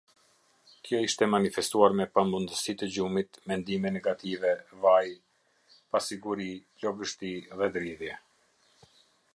Kjo ishte manifestuar me pamundësi të gjumit, mendime negative, vaj, pasiguri, plogështi dhe dridhje.